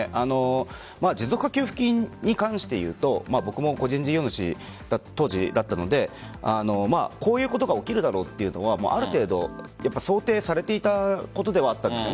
持続化給付金に関して言うと僕も当時個人事業主だったのでこういうことが起きるだろうというのはある程度想定されていたことではあったんです。